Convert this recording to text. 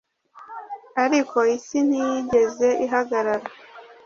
ariko isi ntiyigeze ihagarara